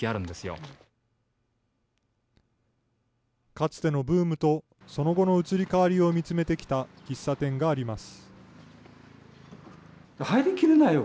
かつてのブームとその後の移り変わりを見つめてきた喫茶店があります。